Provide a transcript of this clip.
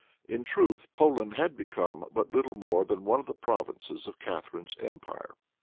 In truth, Poland had become but little more than one of the provinces of Catharine's empire.